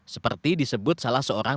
seperti disebut salah seorang